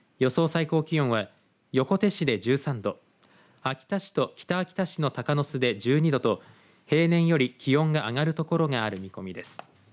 最高気温は横手市で１３度秋田市と北秋田市の鷹巣で１２度と平年より気温が上がる所がある見込みです。